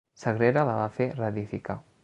Sagrera la va fer reedificar.